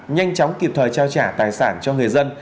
nhanh chóng kịp thời trao trả tài sản cho người dân